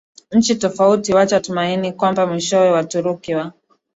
nchi tofauti Wacha tumaini kwamba mwishowe Waturuki wa